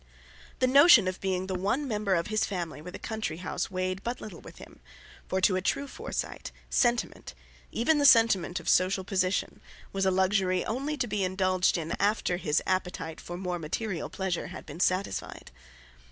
The notion of being the one member of his family with a country house weighed but little with him; for to a true Forsyte, sentiment, even the sentiment of social position, was a luxury only to be indulged in after his appetite for more material pleasure had been satisfied.